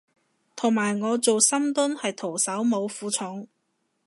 同埋我做深蹲係徒手冇負重